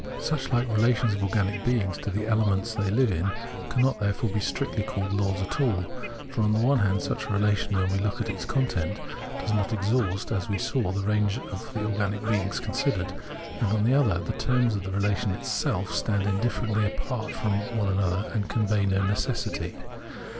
Such like relations of organic beings to the ele ments they live in cannot therefore be strictly called laws at all. For, on the one hand, such a relation, when we look at its content, does not exhaust, as we saw, the range of the organic beings considered, and on the other, the terms of the relation itself stand indifferently apart Observation of Organic Nature 249 from one another and convey no necessity.